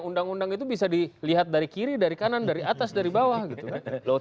undang undang itu bisa dilihat dari kiri dari kanan dari atas dari bawah gitu kan